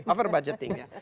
over budgeting ya